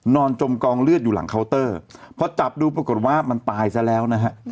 จมกองเลือดอยู่หลังเคาน์เตอร์พอจับดูปรากฏว่ามันตายซะแล้วนะฮะ